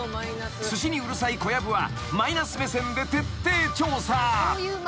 ［すしにうるさい小籔はマイナス目線で徹底調査］